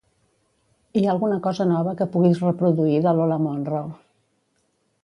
Hi ha alguna cosa nova que puguis reproduir de Lola Monroe